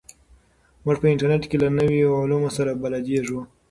موږ په انټرنیټ کې له نویو علومو سره بلدېږو.